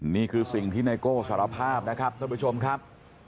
นี่คือสิ่งที่ไนโก้สารภาพนะครับท่านผู้ชมครับ